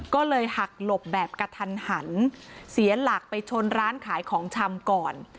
ก็เลยหักหลบแบบกระทันหันเสียหลักไปชนร้านขายของชำก่อน